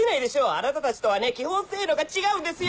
あなたたちとはね基本性能が違うんですよ